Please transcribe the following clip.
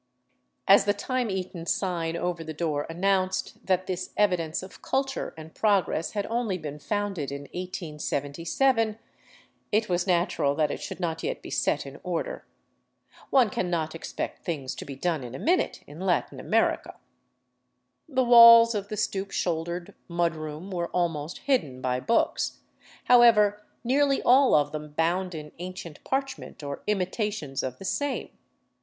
...*' As the time eaten sign over the door announced that this eviden(5e of culture and progress had only been founded in 1877, it was natural that it should not yet be set in order. One cannot expect things to be 387 VAGABONDING DOWN THE ANDES done in a minute in Latin America. The walls of the stoop shoul dered mud room were almost hidden by books, however, nearly all of them bound in ancient parchment or imitations of the same.